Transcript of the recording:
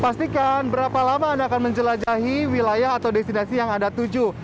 pastikan berapa lama anda akan menjelajahi wilayah atau destinasi yang anda tuju